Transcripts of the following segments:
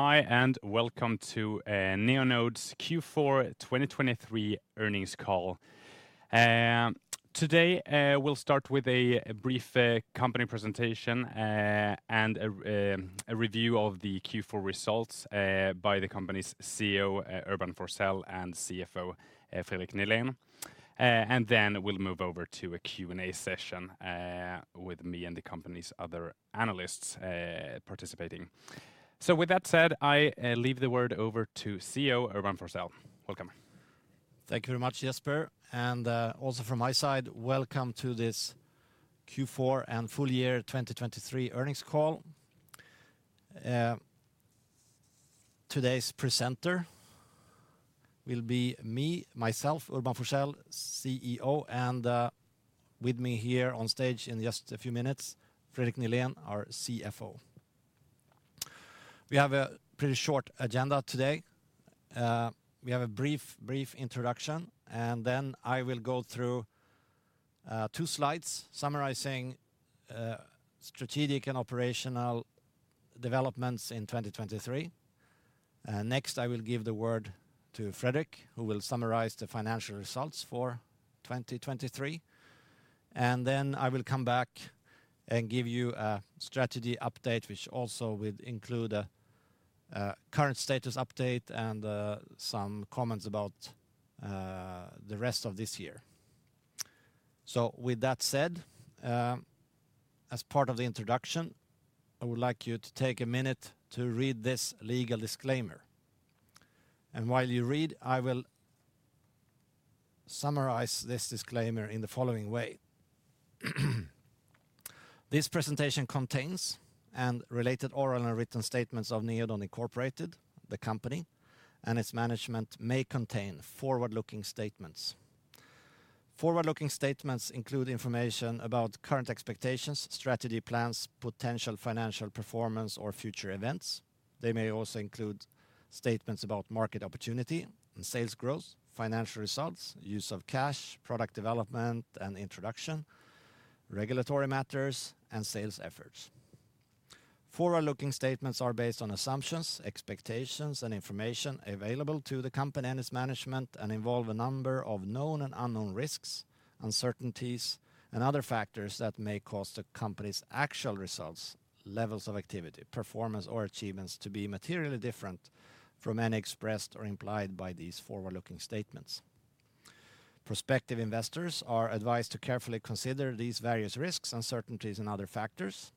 Hi and welcome to Neonode's Q4 2023 earnings call. Today we'll start with a brief company presentation and a review of the Q4 results by the company's CEO Urban Forssell and CFO Fredrik Nihlén. Then we'll move over to a Q&A session with me and the company's other analysts participating. With that said, I leave the word over to CEO Urban Forssell. Welcome. Thank you very much, Jesper. Also from my side, welcome to this Q4 and full year 2023 earnings call. Today's presenter will be me, myself, Urban Forssell, CEO. With me here on stage in just a few minutes, Fredrik Nihlén, our CFO. We have a pretty short agenda today. We have a brief introduction, and then I will go through two slides summarizing strategic and operational developments in 2023. Next, I will give the word to Fredrik, who will summarize the financial results for 2023. Then I will come back and give you a strategy update, which also will include a current status update and some comments about the rest of this year. With that said, as part of the introduction, I would like you to take a minute to read this legal disclaimer. While you read, I will summarize this disclaimer in the following way: This presentation contains and related oral and written statements of Neonode Incorporated, the company, and its management may contain forward-looking statements. Forward-looking statements include information about current expectations, strategy plans, potential financial performance, or future events. They may also include statements about market opportunity and sales growth, financial results, use of cash, product development and introduction, regulatory matters, and sales efforts. Forward-looking statements are based on assumptions, expectations, and information available to the company and its management and involve a number of known and unknown risks, uncertainties, and other factors that may cause the company's actual results, levels of activity, performance, or achievements to be materially different from any expressed or implied by these forward-looking statements. Prospective investors are advised to carefully consider these various risks, uncertainties, and other factors.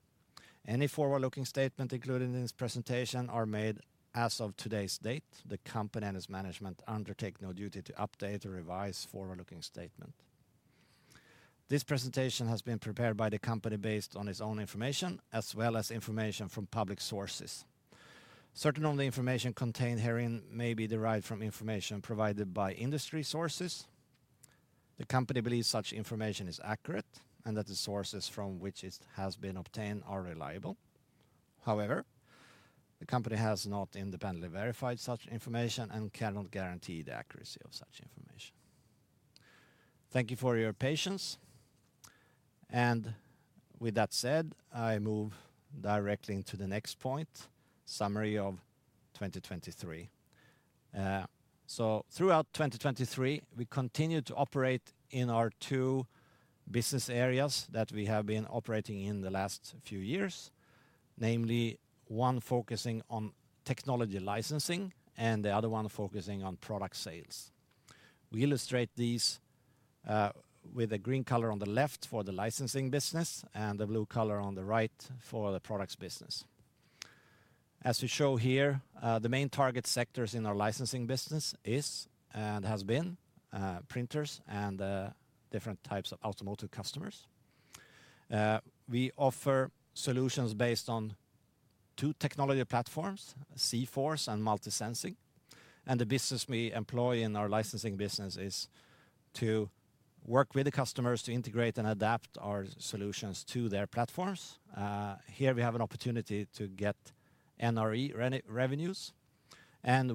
Any forward-looking statement included in this presentation are made as of today's date. The company and its management undertake no duty to update or revise forward-looking statements. This presentation has been prepared by the company based on its own information as well as information from public sources. Certain of the information contained herein may be derived from information provided by industry sources. The company believes such information is accurate and that the sources from which it has been obtained are reliable. However, the company has not independently verified such information and cannot guarantee the accuracy of such information. Thank you for your patience. With that said, I move directly into the next point, summary of 2023. Throughout 2023, we continue to operate in our two business areas that we have been operating in the last few years, namely one focusing on technology licensing and the other one focusing on product sales. We illustrate these with a green color on the left for the licensing business and a blue color on the right for the products business. As we show here, the main target sectors in our licensing business is and has been printers and different types of Automotive customers. We offer solutions based on two technology platforms, zForce and MultiSensing. The business we employ in our licensing business is to work with the customers to integrate and adapt our solutions to their platforms. Here, we have an opportunity to get NRE revenues.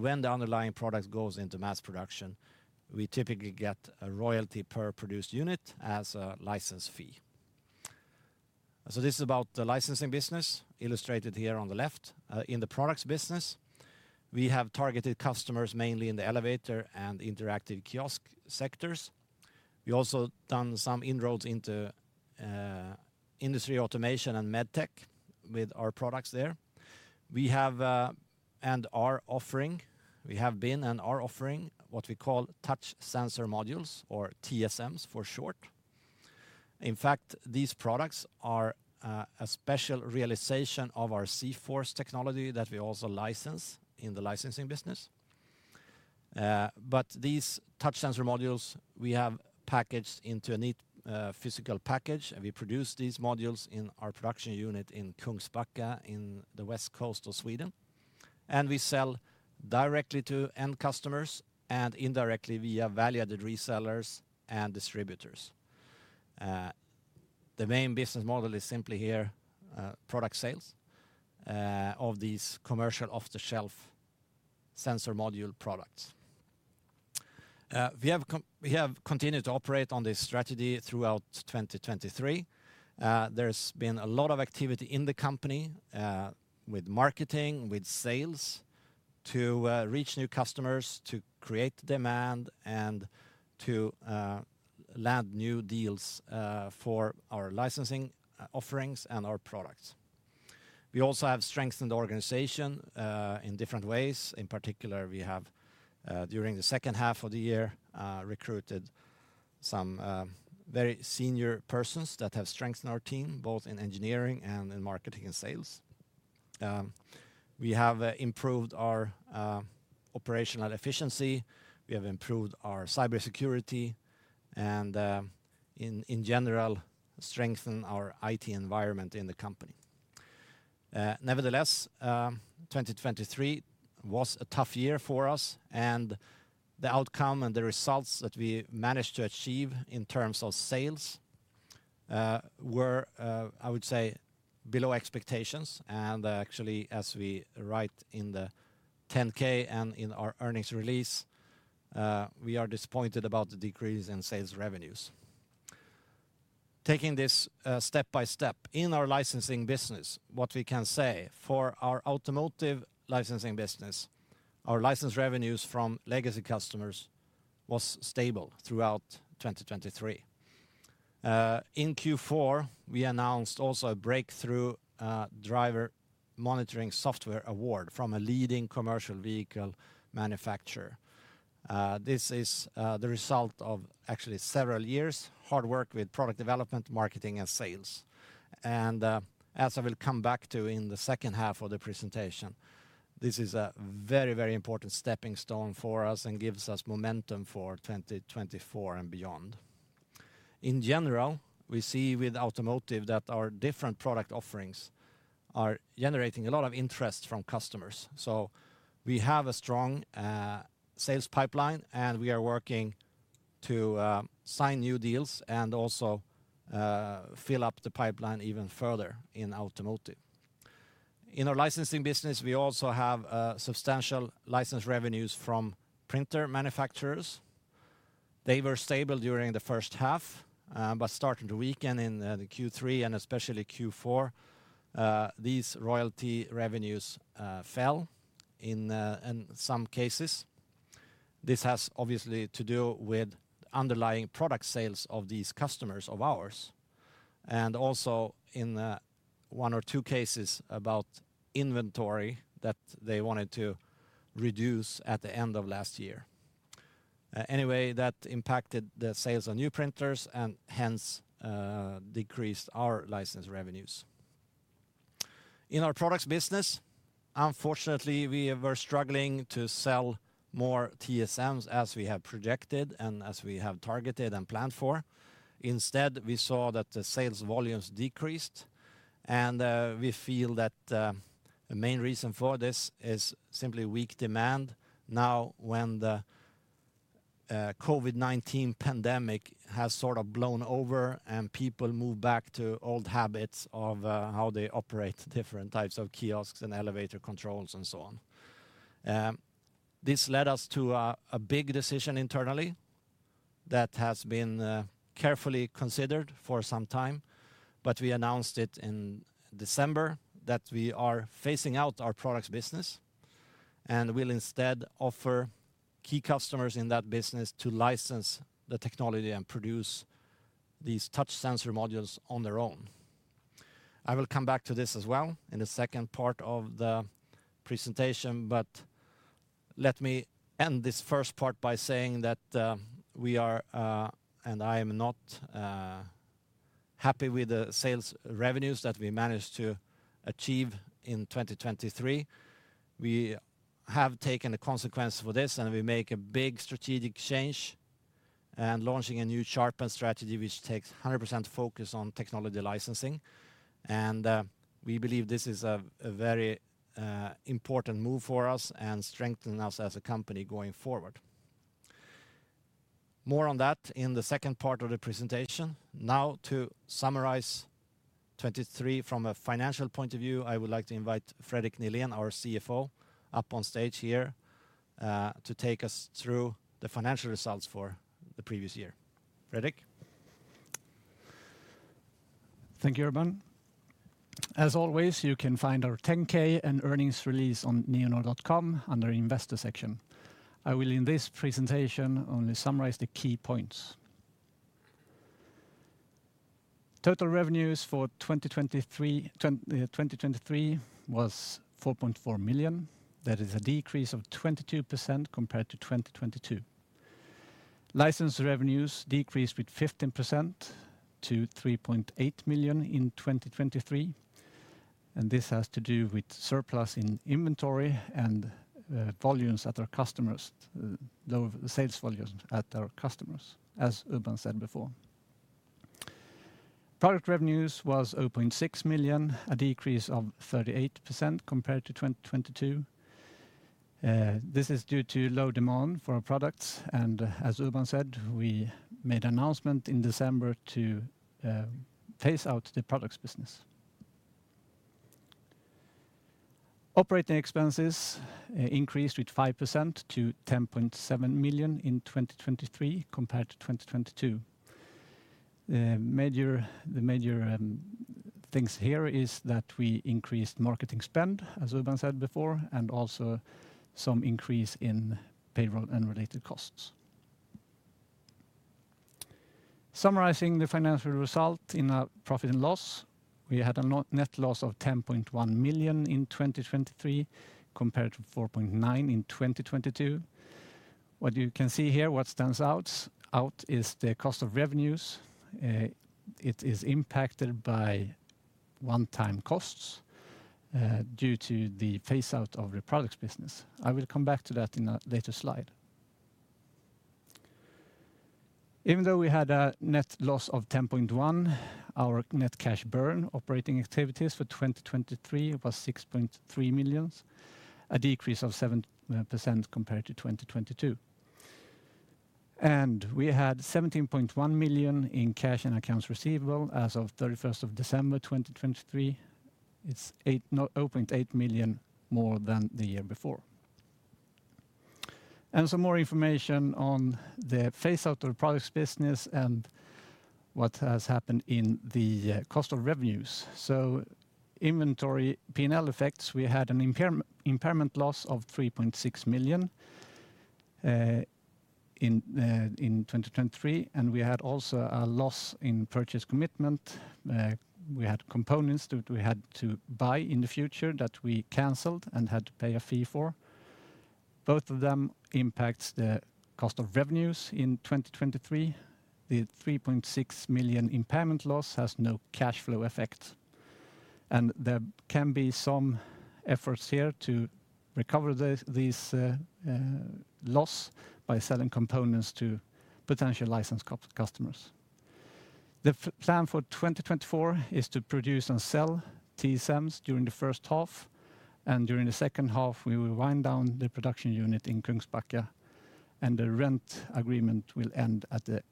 When the underlying product goes into mass production, we typically get a royalty per produced unit as a license fee. This is about the licensing business illustrated here on the left. In the products business, we have targeted customers mainly in the elevator and interactive kiosk sectors. We also done some inroads into industry automation and MedTech with our products there. We have been and are offering what we call touch sensor modules or TSMs for short. In fact, these products are a special realization of our zForce technology that we also license in the licensing business. These touch sensor modules, we have packaged into a neat physical package. We produce these modules in our production unit in Kungsbacka in the west coast of Sweden. We sell directly to end customers and indirectly via valued resellers and distributors. The main business model is simply here, product sales of these commercial off-the-shelf sensor module products. We have continued to operate on this strategy throughout 2023. There's been a lot of activity in the company with marketing, with sales to reach new customers, to create demand, and to land new deals for our licensing offerings and our products. We also have strengthened the organization in different ways. In particular, we have during the second half of the year recruited some very senior persons that have strengthened our team both in engineering and in marketing and sales. We have improved our operational efficiency. We have improved our cybersecurity and, in general, strengthened our IT environment in the company. Nevertheless, 2023 was a tough year for us. The outcome and the results that we managed to achieve in terms of sales were, I would say, below expectations. Actually, as we write in the 10-K and in our earnings release, we are disappointed about the decrease in sales revenues. Taking this step by step in our licensing business, what we can say for our Automotive licensing business, our license revenues from legacy customers were stable throughout 2023. In Q4, we announced also a breakthrough driver monitoring software award from a leading commercial vehicle manufacturer. This is the result of actually several years' hard work with product development, marketing, and sales. As I will come back to in the second half of the presentation, this is a very, very important stepping stone for us and gives us momentum for 2024 and beyond. In general, we see with Automotive that our different product offerings are generating a lot of interest from customers. We have a strong sales pipeline, and we are working to sign new deals and also fill up the pipeline even further in Automotive. In our licensing business, we also have substantial license revenues from printer manufacturers. They were stable during the first half, but starting to weaken in Q3 and especially Q4. These royalty revenues fell in some cases. This has obviously to do with underlying product sales of these customers of ours and also in one or two cases about inventory that they wanted to reduce at the end of last year. Anyway, that impacted the sales of new printers and hence decreased our license revenues. In our products business, unfortunately, we were struggling to sell more TSMs as we have projected and as we have targeted and planned for. Instead, we saw that the sales volumes decreased. We feel that the main reason for this is simply weak demand now when the COVID-19 pandemic has sort of blown over and people move back to old habits of how they operate different types of kiosks and elevator controls and so on. This led us to a big decision internally that has been carefully considered for some time, but we announced it in December that we are phasing out our products business and will instead offer key customers in that business to license the technology and produce these touch sensor modules on their own. I will come back to this as well in the second part of the presentation, but let me end this first part by saying that we are, and I am not happy with the sales revenues that we managed to achieve in 2023. We have taken the consequence for this, and we make a big strategic change and launching a new sharpened strategy which takes 100% focus on technology licensing. We believe this is a very important move for us and strengthens us as a company going forward. More on that in the second part of the presentation. Now to summarize 2023 from a financial point of view, I would like to invite Fredrik Nihlén, our CFO, up on stage here to take us through the financial results for the previous year. Fredrik? Thank you, Urban. As always, you can find our 10-K and earnings release on Neonode.com under the investor section. I will in this presentation only summarize the key points. Total revenues for 2023 were $4.4 million. That is a decrease of 22% compared to 2022. License revenues decreased with 15% to $3.8 million in 2023. This has to do with surplus in inventory and volumes at our customers, lower sales volumes at our customers, as Urban said before. Product revenues were $0.6 million, a decrease of 38% compared to 2022. This is due to low demand for our products. As Urban said, we made an announcement in December to phase out the products business. Operating expenses increased with 5% to $10.7 million in 2023 compared to 2022. The major things here are that we increased marketing spend, as Urban said before, and also some increase in payroll and related costs. Summarizing the financial result in a profit and loss, we had a net loss of $10.1 million in 2023 compared to $4.9 million in 2022. What you can see here, what stands out is the cost of revenues. It is impacted by one-time costs due to the phaseout of the products business. I will come back to that in a later slide. Even though we had a net loss of $10.1 million, our net cash burn operating activities for 2023 were $6.3 million, a decrease of 7% compared to 2022. We had $17.1 million in cash and accounts receivable as of 31st of December, 2023. It's $0.8 million more than the year before. Some more information on the phaseout of the products business and what has happened in the cost of revenues. Inventory P&L effects, we had an impairment loss of $3.6 million in 2023, and we had also a loss in purchase commitment. We had components that we had to buy in the future that we canceled and had to pay a fee for. Both of them impact the cost of revenues in 2023. The $3.6 million impairment loss has no cash flow effect. There can be some efforts here to recover these losses by selling components to potential licensed customers. The plan for 2024 is to produce and sell TSMs during the first half. During the second half, we will wind down the production unit in Kungsbacka, and the rent agreement will end at the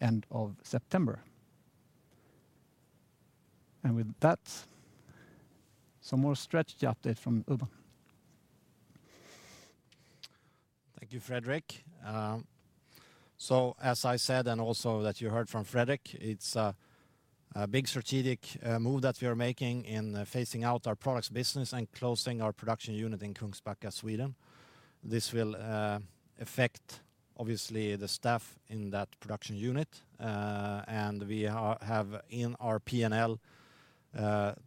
end of September. With that, some more stretched update from Urban. Thank you, Fredrik. As I said and also that you heard from Fredrik, it's a big strategic move that we are making in phasing out our products business and closing our production unit in Kungsbacka, Sweden. This will affect, obviously, the staff in that production unit. We have in our P&L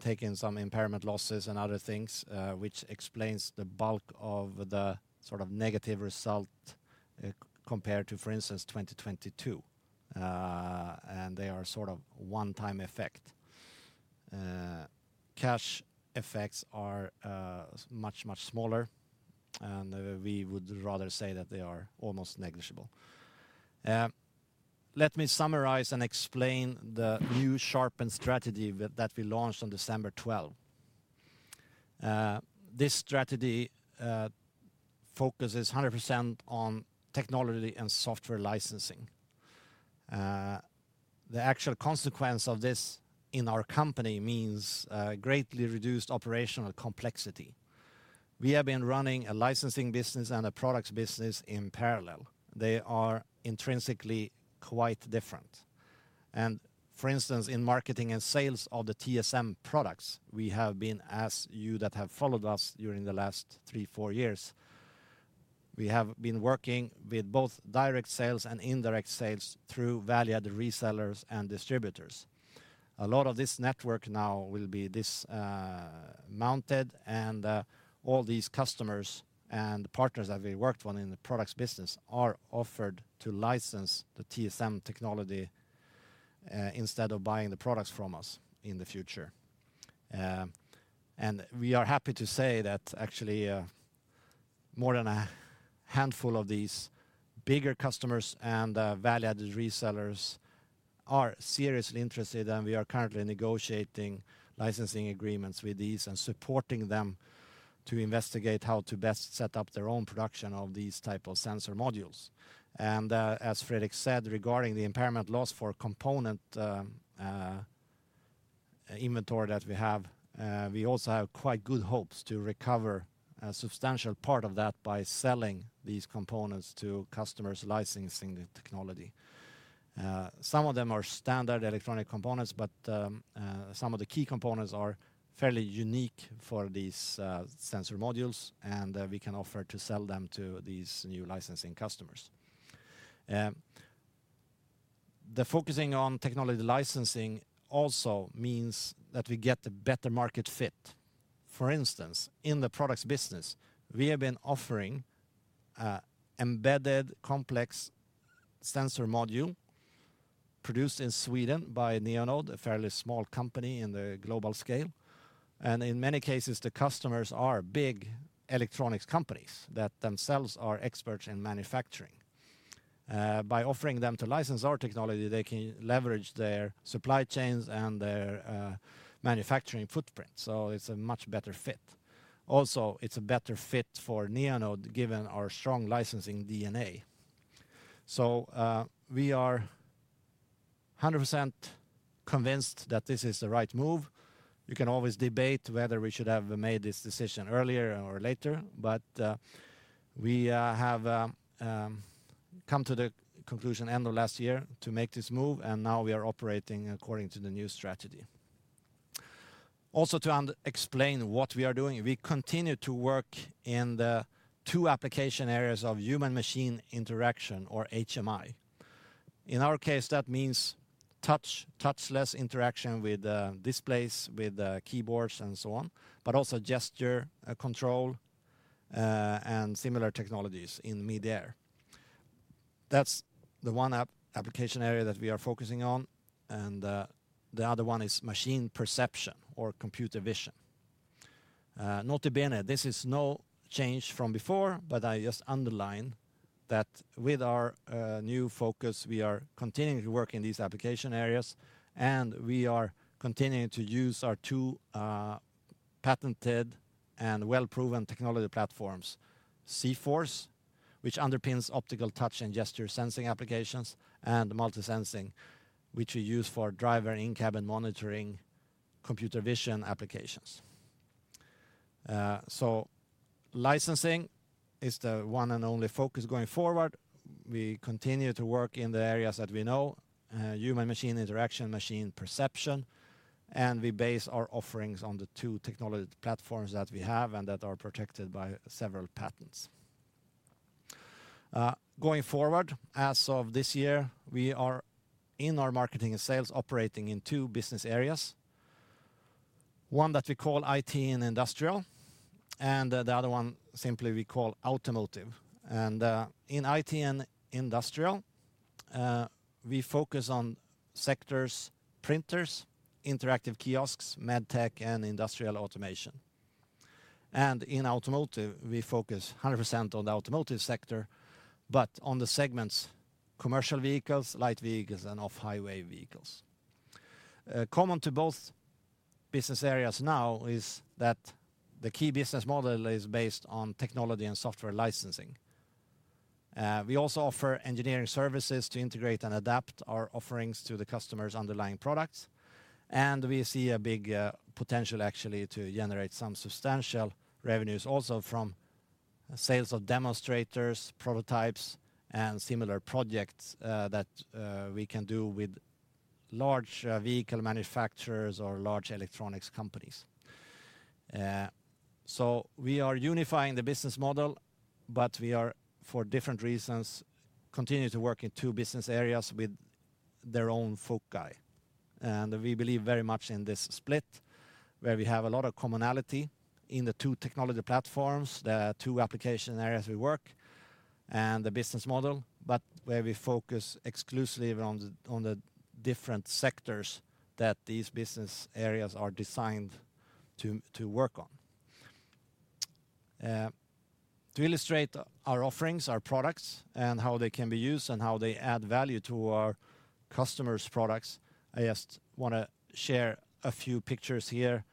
taken some impairment losses and other things, which explains the bulk of the sort of negative result compared to, for instance, 2022. They are sort of one-time effects. Cash effects are much, much smaller, and we would rather say that they are almost negligible. Let me summarize and explain the new sharpened strategy that we launched on December 12th. This strategy focuses 100% on technology and software licensing. The actual consequence of this in our company means greatly reduced operational complexity. We have been running a licensing business and a products business in parallel. They are intrinsically quite different. For instance, in marketing and sales of the TSM products, we have been, as you that have followed us during the last 3 to 4 years, we have been working with both direct sales and indirect sales through valued resellers and distributors. A lot of this network now will be mounted, and all these customers and partners that we worked with in the products business are offered to license the TSM technology instead of buying the products from us in the future. We are happy to say that actually more than a handful of these bigger customers and valued resellers are seriously interested, and we are currently negotiating licensing agreements with these and supporting them to investigate how to best set up their own production of these types of sensor modules. As Fredrik said, regarding the impairment loss for component inventory that we have, we also have quite good hopes to recover a substantial part of that by selling these components to customers licensing the technology. Some of them are standard electronic components, but some of the key components are fairly unique for these sensor modules, and we can offer to sell them to these new licensing customers. The focusing on technology licensing also means that we get a better market fit. For instance, in the products business, we have been offering an embedded complex sensor module produced in Sweden by Neonode, a fairly small company in the global scale. In many cases, the customers are big electronics companies that themselves are experts in manufacturing. By offering them to license our technology, they can leverage their supply chains and their manufacturing footprint. It's a much better fit. Also, it's a better fit for Neonode given our strong licensing DNA. We are 100% convinced that this is the right move. You can always debate whether we should have made this decision earlier or later, but we have come to the conclusion end of last year to make this move, and now we are operating according to the new strategy. Also, to explain what we are doing, we continue to work in the two application areas of human-machine interaction or HMI. In our case, that means touch, touchless interaction with displays, with keyboards, and so on, but also gesture control and similar technologies in mid-air. That's the one application area that we are focusing on. The other one is machine perception or computer vision. Not to be in it, this is no change from before, but I just underline that with our new focus, we are continuing to work in these application areas, and we are continuing to use our two patented and well-proven technology platforms, zForce, which underpins optical touch and gesture sensing applications, and MultiSensing, which we use for driver in-cabin monitoring, computer vision applications. Licensing is the one and only focus going forward. We continue to work in the areas that we know, human-machine interaction, machine perception, and we base our offerings on the two technology platforms that we have and that are protected by several patents. Going forward, as of this year, we are in our marketing and sales operating in two business areas. One that we call IT and Industrial, and the other one simply we call Automotive. In IT and Industrial, we focus on sectors: printers, interactive kiosks, medtech, and industrial automation. In Automotive, we focus 100% on the Automotive sector, but on the segments: commercial vehicles, light vehicles, and off-highway vehicles. Common to both business areas now is that the key business model is based on technology and software licensing. We also offer engineering services to integrate and adapt our offerings to the customer's underlying products. We see a big potential actually to generate some substantial revenues also from sales of demonstrators, prototypes, and similar projects that we can do with large vehicle manufacturers or large electronics companies. We are unifying the business model, but we are, for different reasons, continuing to work in two business areas with their own foci. We believe very much in this split where we have a lot of commonality in the two technology platforms, the two application areas we work, and the business model, but where we focus exclusively on the different sectors that these business areas are designed to work on. To illustrate our offerings, our products, and how they can be used and how they add value to our customer's products, I just want to share a few pictures here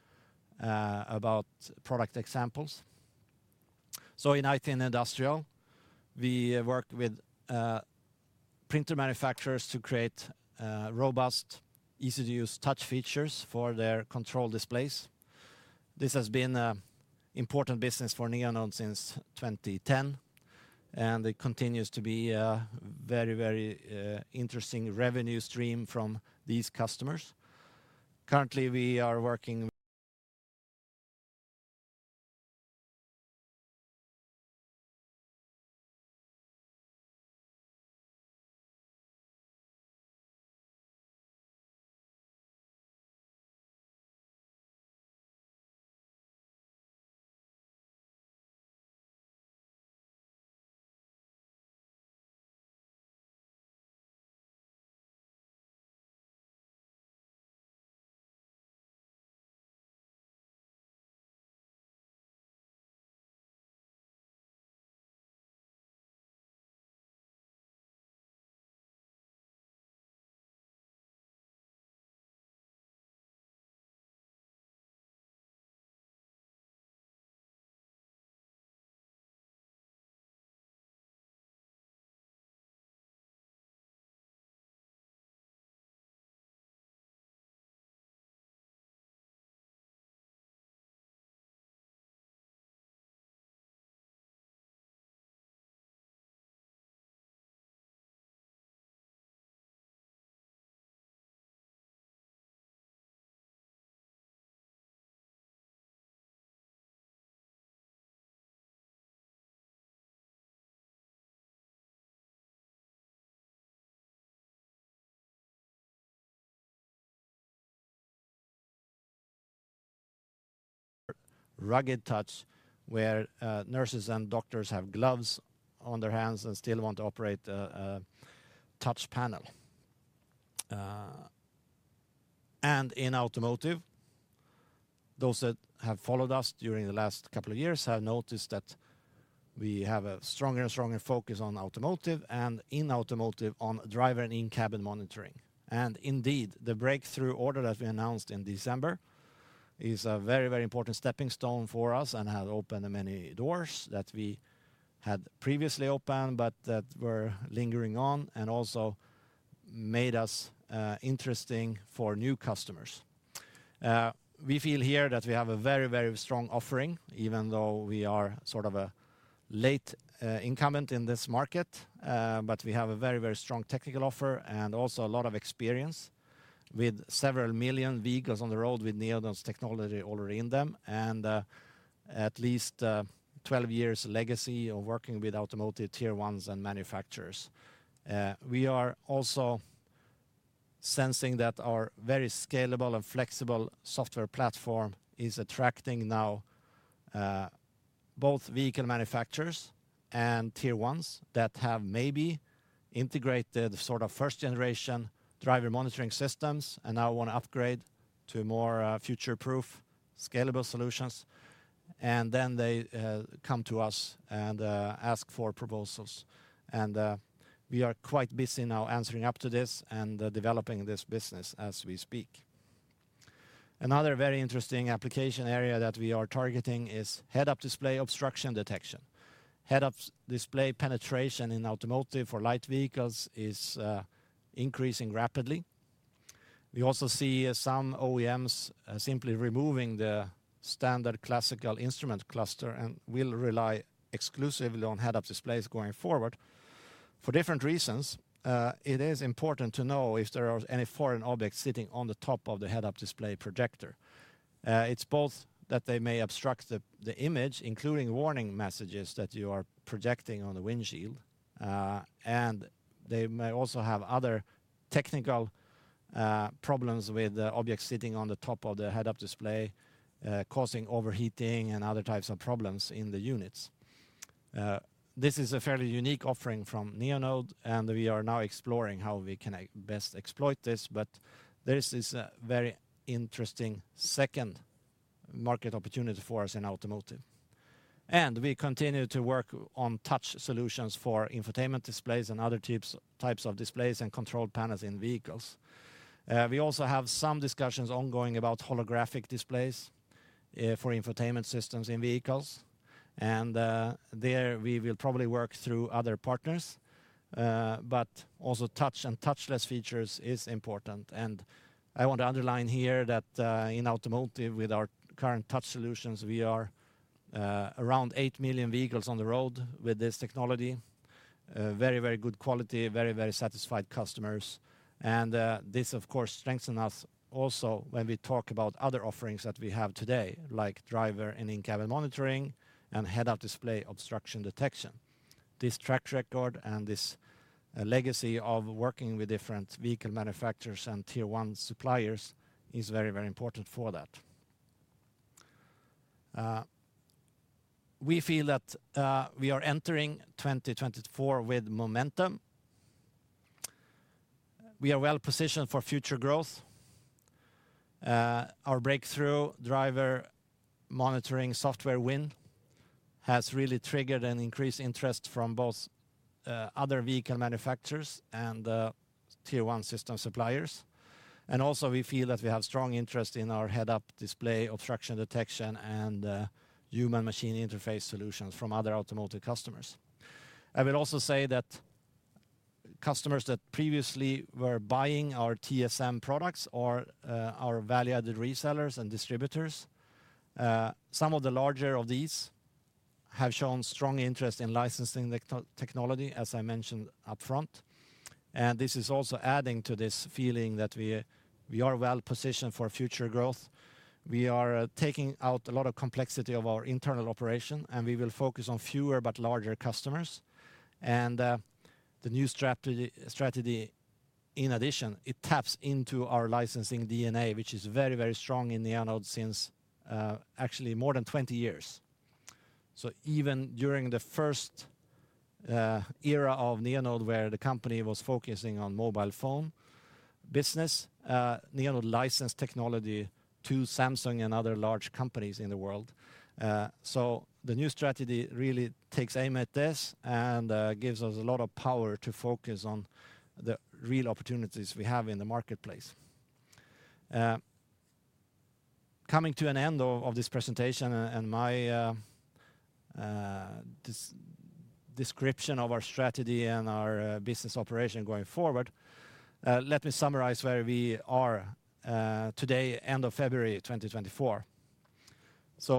about product examples. In IT and Industrial, we work with printer manufacturers to create robust, easy-to-use touch features for their control displays. This has been an important business for Neonode since 2010, and it continues to be a very, very interesting revenue stream from these customers. Currently, we are working rugged touch where nurses and doctors have gloves on their hands and still want to operate a touch panel. In Automotive, those that have followed us during the last couple of years have noticed that we have a stronger and stronger focus on Automotive and in Automotive on driver and in-cabin monitoring. Indeed, the breakthrough order that we announced in December is a very, very important stepping stone for us and has opened many doors that we had previously opened but that were lingering on and also made us interesting for new customers. We feel here that we have a very, very strong offering even though we are sort of a late incumbent in this market, but we have a very, very strong technical offer and also a lot of experience with several million vehicles on the road with Neonode's technology already in them and at least 12 years' legacy of working with Automotive tier 1s and manufacturers. We are also sensing that our very scalable and flexible software platform is attracting now both vehicle manufacturers and Tier 1s that have maybe integrated sort of first-generation driver monitoring systems and now want to upgrade to more future-proof, scalable solutions. Then they come to us and ask for proposals. We are quite busy now answering up to this and developing this business as we speak. Another very interesting application area that we are targeting is head-up display obstruction detection. head-up display penetration in Automotive or light vehicles is increasing rapidly. We also see some OEMs simply removing the standard classical instrument cluster and will rely exclusively on head-up displays going forward. For different reasons, it is important to know if there are any foreign objects sitting on the top of the head-up display projector. It's both that they may obstruct the image, including warning messages that you are projecting on the windshield, and they may also have other technical problems with objects sitting on the top of the head-up display causing overheating and other types of problems in the units. This is a fairly unique offering from Neonode, and we are now exploring how we can best exploit this, but there is this very interesting second market opportunity for us in automotive. We continue to work on touch solutions for infotainment displays and other types of displays and control panels in vehicles. We also have some discussions ongoing about holographic displays for infotainment systems in vehicles, and there we will probably work through other partners, but also touch and touchless features is important. I want to underline here that in Automotive with our current touch solutions, we are around 8 million vehicles on the road with this technology. Very, very good quality, very, very satisfied customers. This, of course, strengthens us also when we talk about other offerings that we have today like driver and in-cabin monitoring and head-up display obstruction detection. This track record and this legacy of working with different vehicle manufacturers and Tier 1 suppliers is very, very important for that. We feel that we are entering 2024 with momentum. We are well positioned for future growth. Our breakthrough driver monitoring software win has really triggered an increased interest from both other vehicle manufacturers and Tier 1 system suppliers. Also, we feel that we have strong interest in our head-up display obstruction detection and human-machine interface solutions from other Automotive customers. I will also say that customers that previously were buying our TSM products are our valued resellers and distributors. Some of the larger of these have shown strong interest in licensing technology, as I mentioned upfront. This is also adding to this feeling that we are well positioned for future growth. We are taking out a lot of complexity of our internal operation, and we will focus on fewer but larger customers. The new strategy, in addition, taps into our licensing DNA, which is very, very strong in Neonode since actually more than 20 years. Even during the first era of Neonode where the company was focusing on mobile phone business, Neonode licensed technology to Samsung and other large companies in the world. The new strategy really takes aim at this and gives us a lot of power to focus on the real opportunities we have in the marketplace. Coming to an end of this presentation and my description of our strategy and our business operation going forward, let me summarize where we are today, end of February 2024.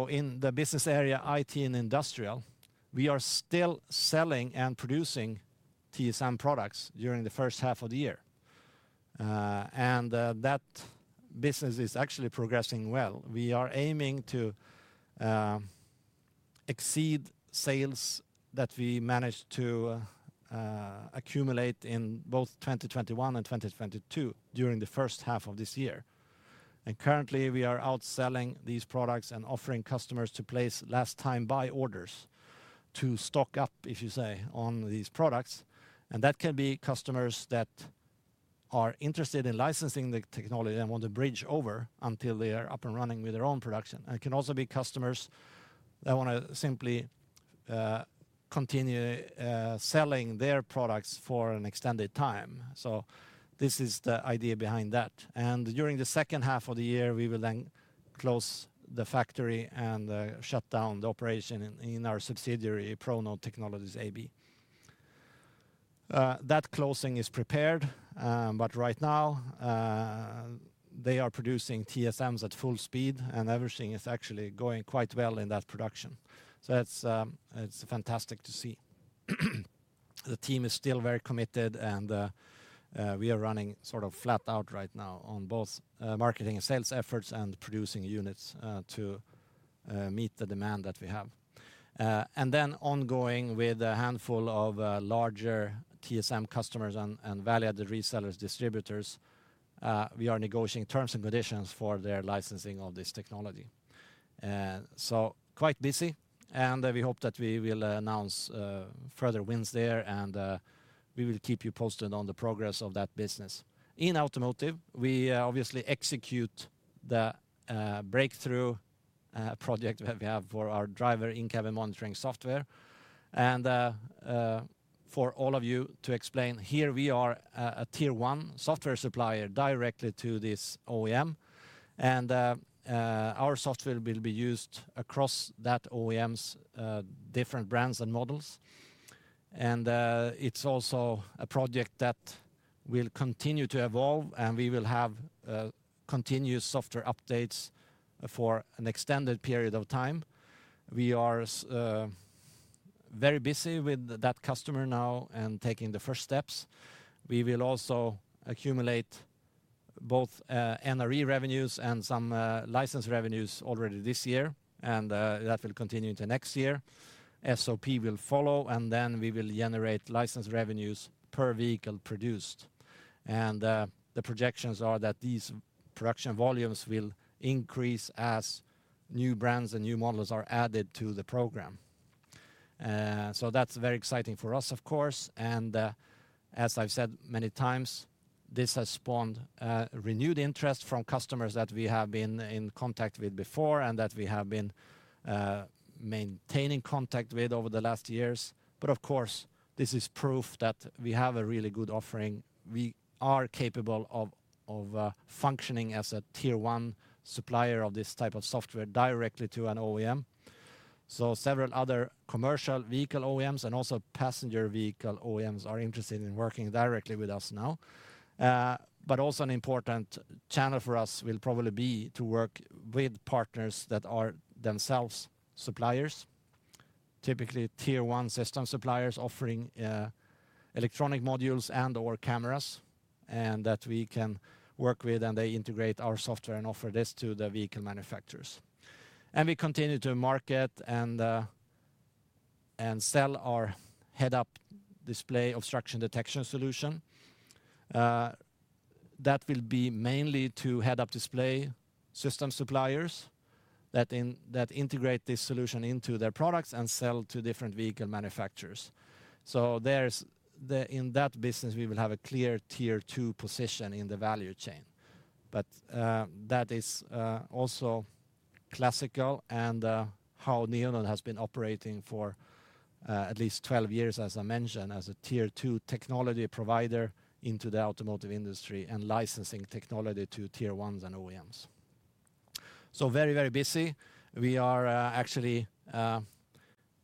In the business area, IT and Industrial, we are still selling and producing TSM products during the first half of the year. That business is actually progressing well. We are aiming to exceed sales that we managed to accumulate in both 2021 and 2022 during the first half of this year. Currently, we are outselling these products and offering customers to place last-time buy orders to stock up, if you say, on these products. That can be customers that are interested in licensing the technology and want to bridge over until they are up and running with their own production. It can also be customers that want to simply continue selling their products for an extended time. This is the idea behind that. During the second half of the year, we will then close the factory and shut down the operation in our subsidiary, Pronode Technologies AB. That closing is prepared, but right now, they are producing TSMs at full speed, and everything is actually going quite well in that production. That's fantastic to see. The team is still very committed, and we are running sort of flat out right now on both marketing and sales efforts and producing units to meet the demand that we have. Then ongoing with a handful of larger TSM customers and valued resellers, distributors, we are negotiating terms and conditions for their licensing of this technology. Quite busy, and we hope that we will announce further wins there, and we will keep you posted on the progress of that business. In automotive, we obviously execute the breakthrough project that we have for our driver in-cabin monitoring software. For all of you to explain, here we are a Tier 1 software supplier directly to this OEM. Our software will be used across that OEM's different brands and models. It's also a project that will continue to evolve, and we will have continuous software updates for an extended period of time. We are very busy with that customer now and taking the first steps. We will also accumulate both NRE revenues and some license revenues already this year, and that will continue into next year. SOP will follow, and then we will generate license revenues per vehicle produced. The projections are that these production volumes will increase as new brands and new models are added to the program. That's very exciting for us, of course. As I've said many times, this has spawned renewed interest from customers that we have been in contact with before and that we have been maintaining contact with over the last years. Of course, this is proof that we have a really good offering. We are capable of functioning as a Tier 1 supplier of this type of software directly to an OEM. Several other commercial vehicle OEMs and also passenger vehicle OEMs are interested in working directly with us now. Also, an important channel for us will probably be to work with partners that are themselves suppliers, typically Tier 1 system suppliers offering electronic modules and/or cameras that we can work with, and they integrate our software and offer this to the vehicle manufacturers. We continue to market and sell our head-up display obstruction detection solution. That will be mainly to head-up display system suppliers that integrate this solution into their products and sell to different vehicle manufacturers. In that business, we will have a clear Tier 2 position in the value chain. That is also classical and how Neonode has been operating for at least 12 years, as I mentioned, as a Tier 2 technology provider into the Automotive industry and licensing technology to Tier 1s and OEMs. Very, very busy. We are actually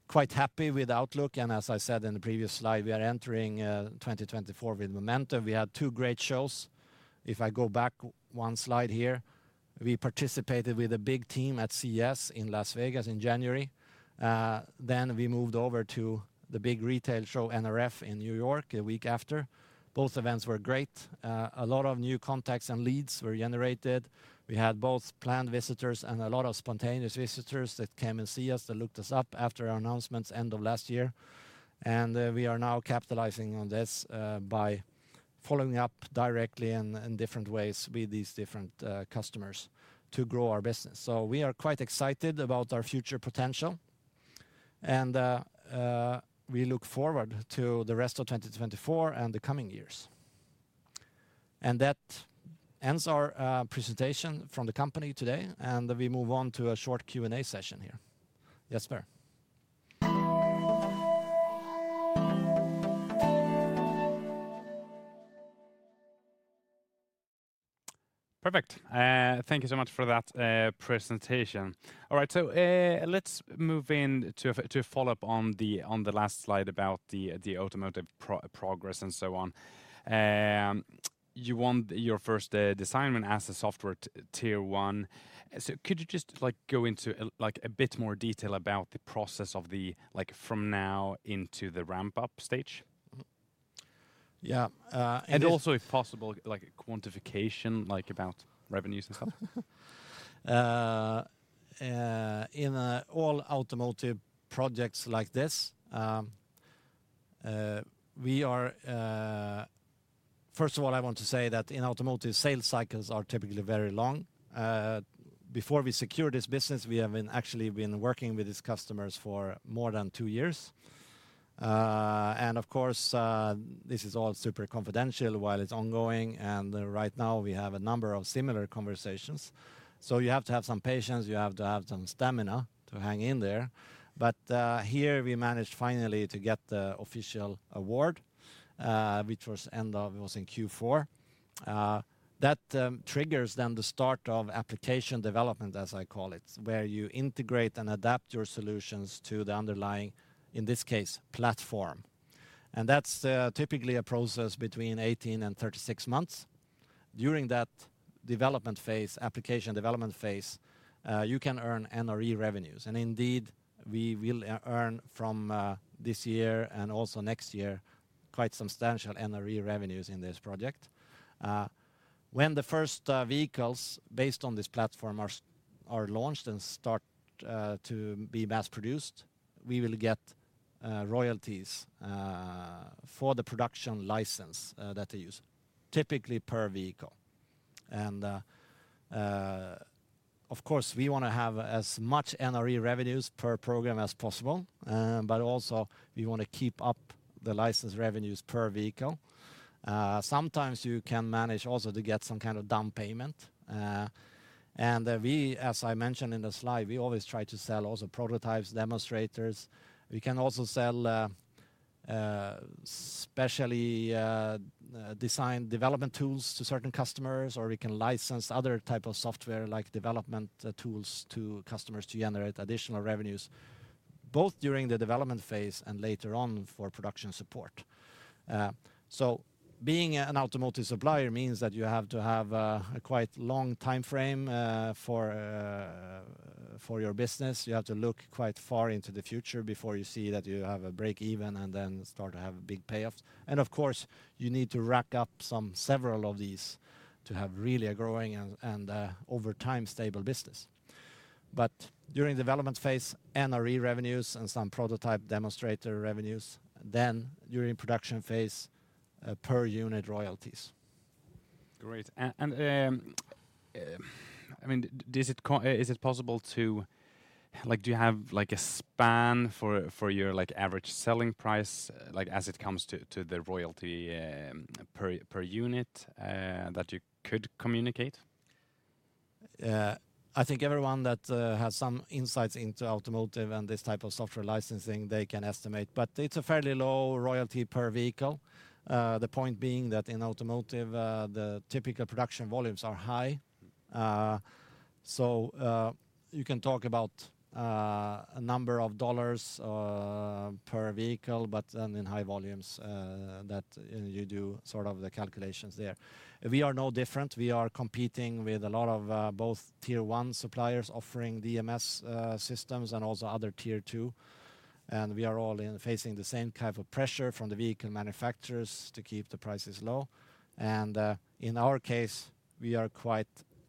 quite happy with outlook. As I said in the previous slide, we are entering 2024 with momentum. We had two great shows. If I go back one slide here, we participated with a big team at CES in Las Vegas in January. Then we moved over to the big retail show, NRF, in New York a week after. Both events were great. A lot of new contacts and leads were generated. We had both planned visitors and a lot of spontaneous visitors that came and see us, that looked us up after our announcements end of last year. We are now capitalizing on this by following up directly in different ways with these different customers to grow our business. We are quite excited about our future potential, and we look forward to the rest of 2024 and the coming years. That ends our presentation from the company today, and we move on to a short Q&A session here. Yes, sir. Perfect. Thank you so much for that presentation. All right, so let's move in to a follow-up on the last slide about the Automotive progress and so on. You want your first design as a software Tier 1. Could you just go into a bit more detail about the process from now into the ramp-up stage? Yeah. And also, if possible, quantification about revenues and stuff? In all automotive projects like this, we are first of all, I want to say that in automotive, sales cycles are typically very long. Before we secure this business, we have actually been working with these customers for more than 2 years. Of course, this is all super confidential while it's ongoing. Right now, we have a number of similar conversations. You have to have some patience. You have to have some stamina to hang in there. Here, we managed finally to get the official award, which was end of it was in Q4. That triggers then the start of application development, as I call it, where you integrate and adapt your solutions to the underlying, in this case, platform. That's typically a process between 18 and 36 months. During that application development phase, you can earn NRE revenues. Indeed, we will earn from this year and also next year quite substantial NRE revenues in this project. When the first vehicles, based on this platform, are launched and start to be mass-produced, we will get royalties for the production license that they use, typically per vehicle. Of course, we want to have as much NRE revenues per program as possible, but also, we want to keep up the license revenues per vehicle. Sometimes, you can manage also to get some kind of down payment. As I mentioned in the slide, we always try to sell also prototypes, demonstrators. We can also sell specially designed development tools to certain customers, or we can license other types of software like development tools to customers to generate additional revenues, both during the development phase and later on for production support. Being an Automotive supplier means that you have to have a quite long time frame for your business. You have to look quite far into the future before you see that you have a break-even and then start to have big payoffs. Of course, you need to rack up several of these to have really a growing and over time stable business. During development phase, NRE revenues and some prototype demonstrator revenues. Then during production phase, per unit royalties. Great. Is it possible to do you have a span for your average selling price as it comes to the royalty per unit that you could communicate? I think everyone that has some insights into Automotive and this type of software licensing, they can estimate, but it's a fairly low royalty per vehicle. The point being that in Automotive, the typical production volumes are high. You can talk about a number of dollars per vehicle, but then in high volumes, that you do sort of the calculations there. We are no different. We are competing with a lot of both Tier 1 suppliers offering DMS systems and also other Tier 2. We are all facing the same type of pressure from the vehicle manufacturers to keep the prices low. In our case, we are quite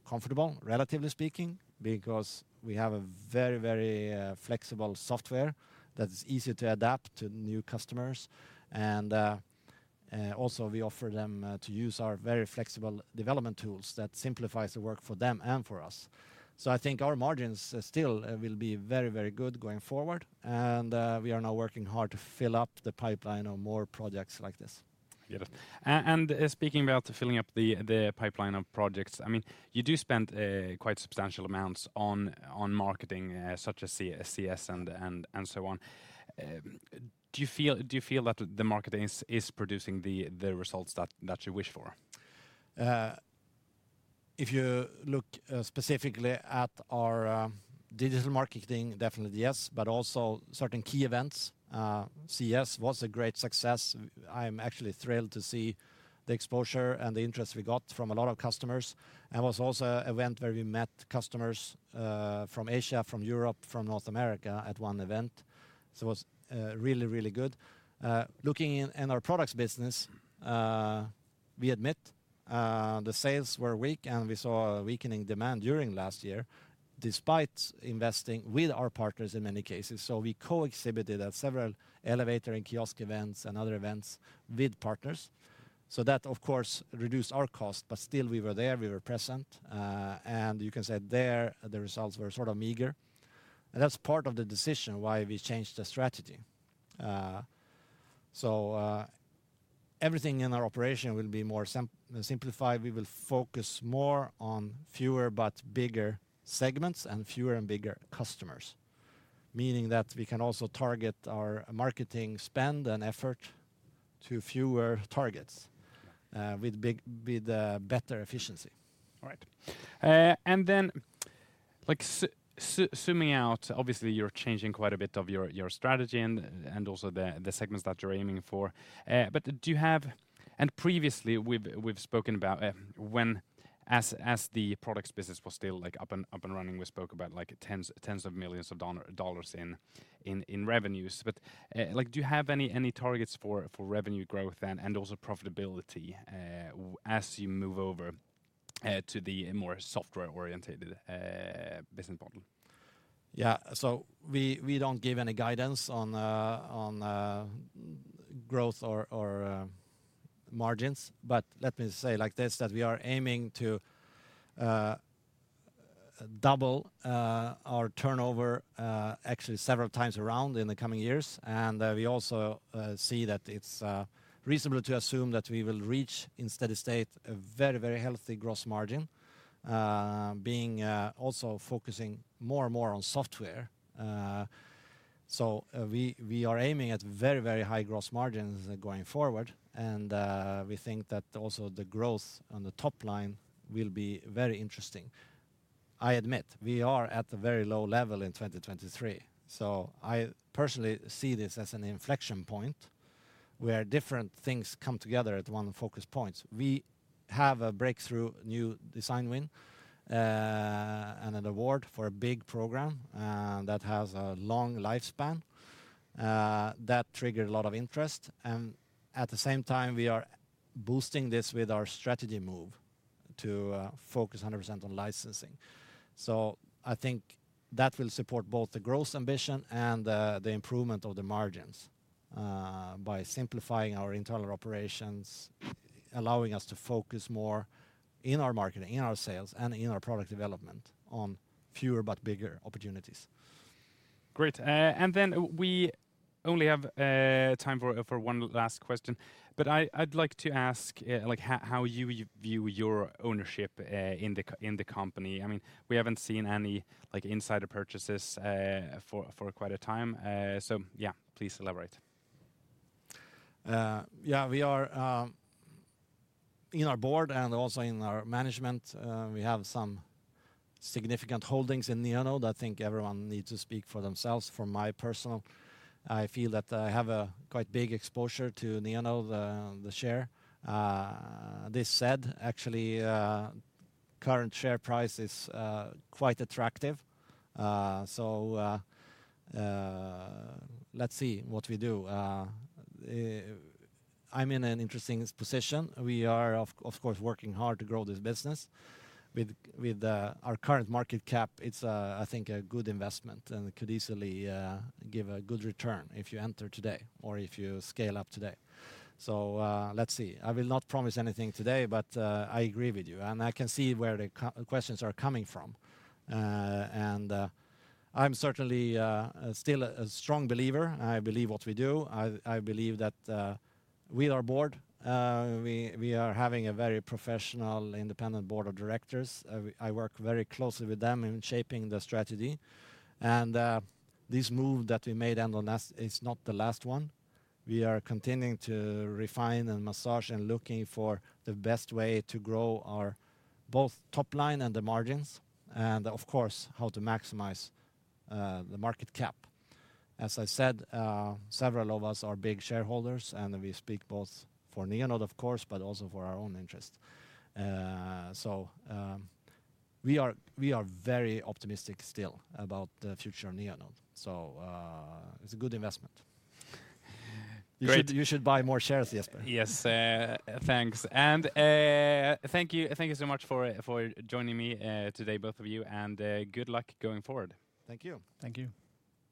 comfortable, relatively speaking, because we have a very, very flexible software that is easy to adapt to new customers. Also, we offer them to use our very flexible development tools that simplifies the work for them and for us. I think our margins still will be very, very good going forward, and we are now working hard to fill up the pipeline of more projects like this. Speaking about filling up the pipeline of projects, you do spend quite substantial amounts on marketing such as CES and so on. Do you feel that the market is producing the results that you wish for? If you look specifically at our digital marketing, definitely yes, but also certain key events. CES was a great success. I'm actually thrilled to see the exposure and the interest we got from a lot of customers. It was also an event where we met customers from Asia, from Europe, from North America at one event. It was really, really good. Looking in our products business, we admit the sales were weak, and we saw a weakening demand during last year despite investing with our partners in many cases. We co-exhibited at several elevator and kiosk events and other events with partners. That, of course, reduced our cost, but still we were there. We were present. You can say there, the results were sort of meager. That's part of the decision why we changed the strategy. Everything in our operation will be more simplified. We will focus more on fewer but bigger segments and fewer and bigger customers, meaning that we can also target our marketing spend and effort to fewer targets with better efficiency. All right. Then zooming out, obviously, you're changing quite a bit of your strategy and also the segments that you're aiming for. Do you have previously, we've spoken about when as the products business was still up and running, we spoke about $ tens of millions in revenues. Do you have any targets for revenue growth and also profitability as you move over to the more software-oriented business model? Yeah. We don't give any guidance on growth or margins, but let me say like this, that we are aiming to double our turnover actually several times around in the coming years. We also see that it's reasonable to assume that we will reach in steady state a very, very healthy gross margin, also focusing more and more on software. We are aiming at very, very high gross margins going forward, and we think that also the growth on the top line will be very interesting. I admit, we are at a very low level in 2023. I personally see this as an inflection point where different things come together at one focus point. We have a breakthrough new design win and an award for a big program that has a long lifespan that triggered a lot of interest. At the same time, we are boosting this with our strategy move to focus 100% on licensing. I think that will support both the growth ambition and the improvement of the margins by simplifying our internal operations, allowing us to focus more in our marketing, in our sales, and in our product development on fewer but bigger opportunities. Great. Then we only have time for one last question, but I'd like to ask how you view your ownership in the company. We haven't seen any insider purchases for quite a time. Yeah, please elaborate. Yeah. We are in our board and also in our management. We have some significant holdings in Neonode that I think everyone needs to speak for themselves. For my personal, I feel that I have a quite big exposure to Neonode, the share. This said, actually, current share price is quite attractive. Let's see what we do. I'm in an interesting position. We are, of course, working hard to grow this business. With our current market cap, it's, I think, a good investment and could easily give a good return if you enter today or if you scale up today. Let's see. I will not promise anything today, but I agree with you, and I can see where the questions are coming from. I'm certainly still a strong believer. I believe what we do. I believe that with our board, we are having a very professional, independent board of directors. I work very closely with them in shaping the strategy. This move that we made end on last is not the last one. We are continuing to refine and massage and looking for the best way to grow both top line and the margins, and of course, how to maximize the market cap. As I said, several of us are big shareholders, and we speak both for Neonode, of course, but also for our own interest. We are very optimistic still about the future of Neonode. It's a good investment. You should buy more shares, Jesper. Yes. Thanks. Thank you so much for joining me today, both of you, and good luck going forward. Thank you. Thank you.